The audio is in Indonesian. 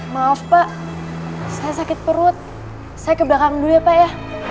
maaf pak saya sakit perut saya ke belakang dulu ya pak ya